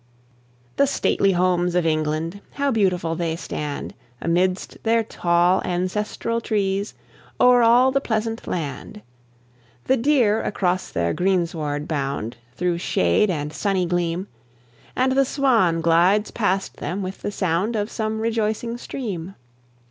(1749 1835.) The stately homes of England! How beautiful they stand, Amidst their tall ancestral trees, O'er all the pleasant land! The deer across their greensward bound Through shade and sunny gleam, And the swan glides past them with the sound Of some rejoicing stream.